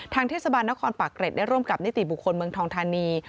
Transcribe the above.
เทศบาลนครปากเกร็ดได้ร่วมกับนิติบุคคลเมืองทองธานี